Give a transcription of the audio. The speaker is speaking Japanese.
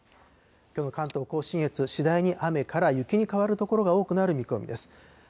きょうの関東甲信越、次第に雨から雪に変わる所が多くなる見込みです。